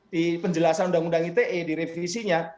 di penjelasan undang undang ite di revisinya